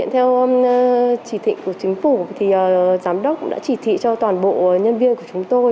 thực hiện theo chỉ thịnh của chính phủ thì giám đốc đã chỉ thị cho toàn bộ nhân viên của chúng tôi